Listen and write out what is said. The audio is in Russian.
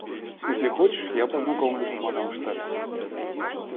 Если хочешь, я познакомлюсь с мадам Шталь.